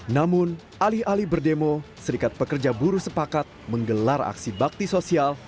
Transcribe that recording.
namun alih alih berdemo serikat pekerja buruh sepakat menggelar aksi bakti sosial